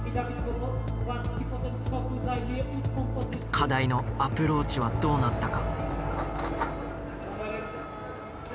課題のアプローチはどうなったか。